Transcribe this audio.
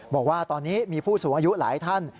บอกว่าตอนนี้มีผู้สูงอายุหลายท่าน